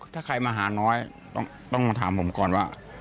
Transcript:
ถ้าใครมาหาน้อยต้องมาถามผมก่อนว่า